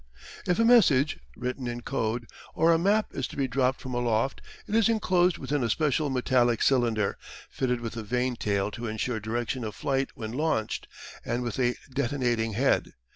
If a message written in code or a map is to be dropped from aloft it is enclosed within a special metallic cylinder, fitted with a vane tail to ensure direction of flight when launched, and with a detonating head.